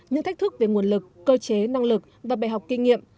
những thách thức về nguồn lực cơ chế năng lực và bài học kinh nghiệm